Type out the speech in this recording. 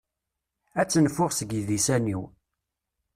Ad t-nfuɣ seg disan-iw.